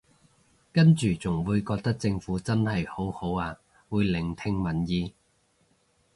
跟住仲會覺得政府真係好好啊會聆聽民意